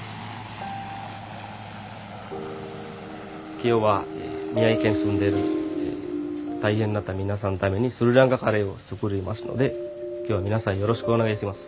・今日は宮城県に住んでる大変になった皆さんのためにスリランカカレーを作りますので今日は皆さんよろしくお願いします。